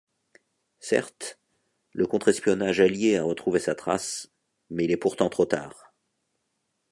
Certes, le contre-espionnage allié a retrouvé sa trace, mais il est pourtant trop tard...